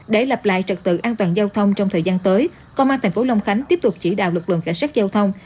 để lặp lại trật tự an toàn giao thông trong thời gian tới công an tp long khánh tiếp tục chỉ đạo lực lượng cảnh sát giao thông